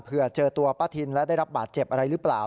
เจอตัวป้าทินและได้รับบาดเจ็บอะไรหรือเปล่า